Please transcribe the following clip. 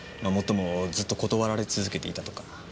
もっともずっと断られ続けていたとか。